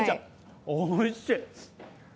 おいしい。